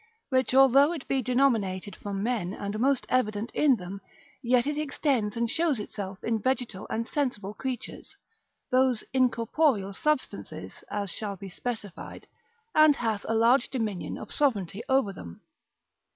Which although it be denominated from men, and most evident in them, yet it extends and shows itself in vegetal and sensible creatures, those incorporeal substances (as shall be specified), and hath a large dominion of sovereignty over them.